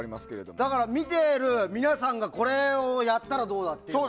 だから、見ている皆さんがこれをやったらどうだ？っていうのを。